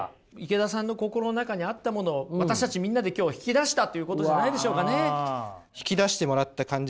池田さんの心の中にあったものを私たちみんなで今日引き出したということじゃないでしょうかね。